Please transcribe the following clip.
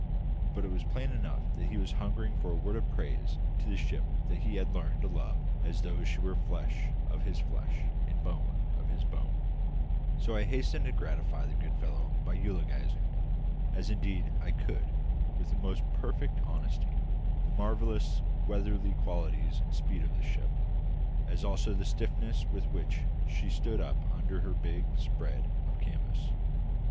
But it was plain enough that he was hungering for a word of praise to the ship that he had learned to love as though she were flesh of his flesh and bone of his bone: so I hastened to gratify the good fellow by eulogising as indeed I could with the most perfect honesty the marvellous weatherly qualities and speed of the ship, as also the stiffness with which she stood up under her big spread of canvas.